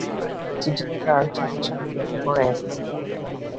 চিঠি লেখা আর, সামনাসামনি দেখা করা এক নয়।